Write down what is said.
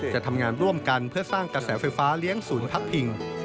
จะทำงานร่วมกันเพื่อสร้างกระแสไฟฟ้าเลี้ยงศูนย์พักพิง